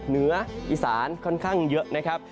เหนืออีสานค่อนข้างเยอะนะครับ